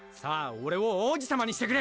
俺を王子様にしてくれ！